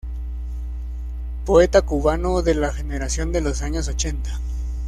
Poeta cubano de la Generación de los años ochenta.